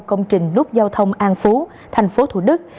công trình nút giao thông an phú tp thủ đức